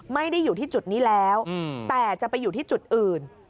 ไม่ได้อยู่ที่จุดนี้แล้วแต่จะไปอยู่ที่จุดอื่น